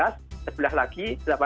sebelah lagi delapan belas